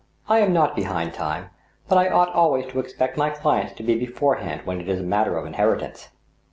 I am not behind time, but I ought always to ex pect my clients to be beforehand when it is a matter of inherit ance."